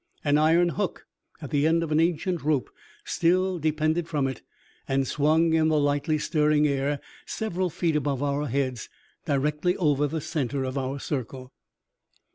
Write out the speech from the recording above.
An iron hook at the end of an ancient rope still depended from it, and swung in the lightly stirring air several feet above our heads, directly over the center of our circle.